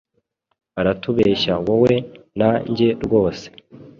Aratubeshya wowe na njye rwose.